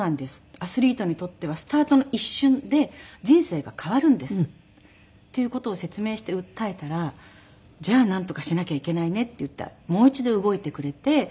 「アスリートにとってはスタートの一瞬で人生が変わるんです」っていう事を説明して訴えたら「じゃあなんとかしなきゃいけないね」って言ってもう一度動いてくれて。